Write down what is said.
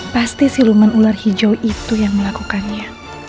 pasti si luman ular hijau itu yang melakukannya